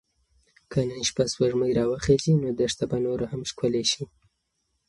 که نن شپه سپوږمۍ راوخیژي نو دښته به نوره هم ښکلې شي.